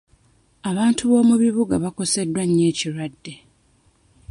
Abantu b'omu bibuga bakoseddwa nnyo ekirwadde